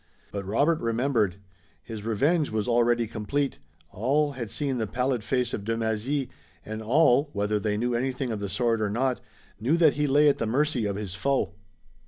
But Robert remembered. His revenge was already complete. All had seen the pallid face of de Mézy, and all, whether they knew anything of the sword or not, knew that he lay at the mercy of his foe.